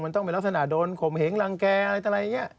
มันต้องมีลักษณะโดนขมเหงรังแกอะไรอย่างนี้